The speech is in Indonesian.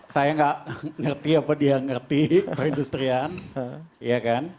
saya gak ngerti apa dia ngerti perindustrian